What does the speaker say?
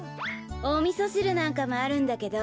おみそしるなんかもあるんだけど。